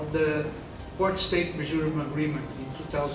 untuk pertanian dunia pangan tahun dua ribu sembilan